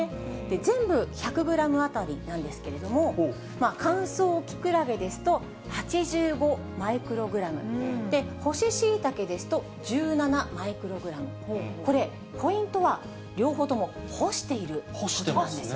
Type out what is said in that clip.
全部１００グラム当たりなんですけれども、乾燥キクラゲですと８５マイクログラム、干しシイタケですと１７マイクログラム、これ、ポイントは両方とも干していることなんです。